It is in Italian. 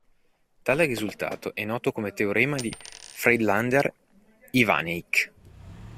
Tale risultato è noto come teorema di Friedlander-Iwaniec.